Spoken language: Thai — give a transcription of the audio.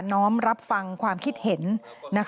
้อมรับฟังความคิดเห็น